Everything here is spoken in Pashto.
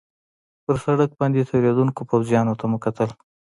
پر سړک باندې تېرېدونکو پوځیانو ته مو کتل.